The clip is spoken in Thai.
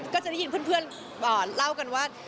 ก็จะได้ยินเพื่อนเล่ากันว่า